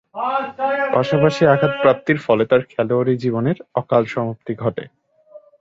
পাশাপাশি আঘাতপ্রাপ্তির ফলে তার খেলোয়াড়ী জীবনের অকাল সমাপ্তি ঘটে।